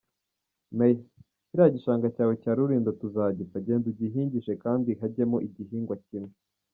Mayor! Kiriya gishanga cyawe cya Rulindo tuzagipfa! Genda ugihingishe kandi hajyemo igihingwa kimwe.